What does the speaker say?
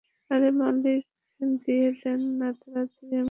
আরে মালিক দিয়ে দেন না তাড়াতাড়ি আমার জীবিত থাকার প্রমাণপত্রটা বানিয়ে।